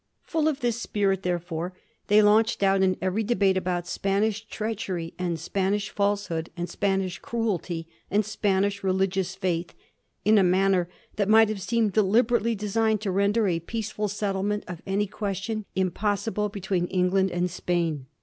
Full of this spirit, therefore, they launched out in every debate about Spanish treachery, and Spanish falsehood, and Spanish cruelty, and Spanish religious faith in a manner that might have seemed deliberately designed to render a peaceful settlement of any question impossible between England and Spain.